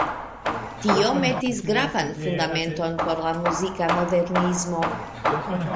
Tio metis gravan fundamenton por la muzika modernismo.